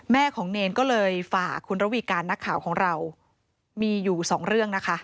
แม่ของเนรก็เลยฝากคุณระวีการนักข่าวของเรามีอยู่สองเรื่องนะคะ